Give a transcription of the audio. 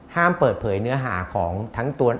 ห้ามเปิดเผยเนื้อหาของทั้งตัว